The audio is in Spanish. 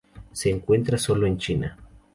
Se encuentra sólo en China.